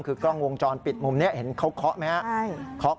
คือกล้องวงจรปิดมุมนี้เห็นเขาเคาะไหมครับ